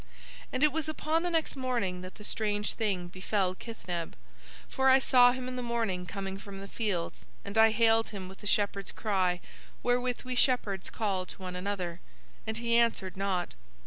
"And it was upon the next morning that the strange thing befell Kithneb; for I saw him in the morning coming from the fields, and I hailed him with the shepherd's cry wherewith we shepherds call to one another, and he answered not.